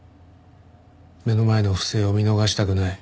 目の前の不正を見逃したくない。